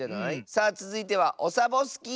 さあつづいてはオサボスキー。